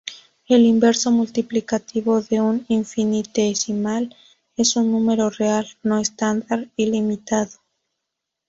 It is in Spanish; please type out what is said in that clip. El inverso multiplicativo de un infinitesimal es un número real no estándar ilimitado.